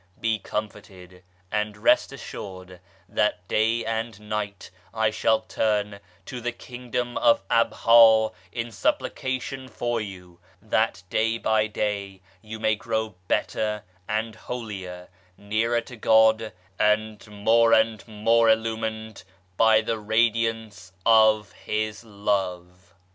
Be comforted, and rest assured that day and night I shall turn to the Kingdom of Abha in supplication for you, that day by day you may grow better and holier, nearer to God, and more and more illumined by the Radiance of His Love.